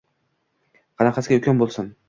Qanaqasiga ukam bo‘lsin?